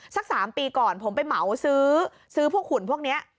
สัก๓ปีก่อนผมไปเหมาซื้อพวกหุ่นพวกนี้